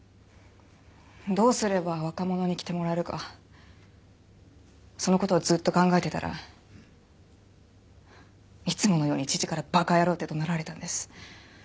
どうすれば若者に着てもらえるかその事をずっと考えてたらいつものように父から「馬鹿野郎」って怒鳴られたんです。